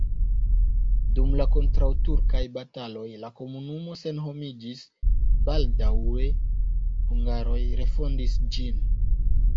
Dum la kontraŭturkaj bataloj la komunumo senhomiĝis, baldaŭe hungaroj refondis ĝin.